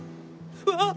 うわっ！